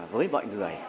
với mọi người